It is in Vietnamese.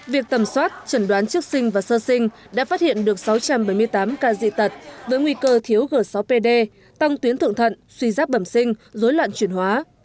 việc tầm soát chẩn đoán trước sinh và sơ sinh đã phát hiện được sáu trăm bảy mươi tám ca dị tật với nguy cơ thiếu g sáu pd tăng tuyến thượng thận suy giáp bẩm sinh dối loạn chuyển hóa